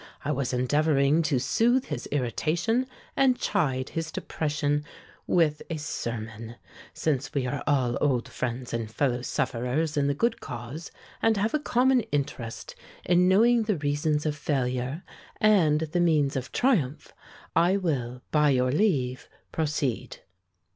I was endeavoring to soothe his irritation and chide his depression with a sermon; since we are all old friends and fellow sufferers in the good cause and have a common interest in knowing the reasons of failure and the means of triumph, I will by your leave proceed."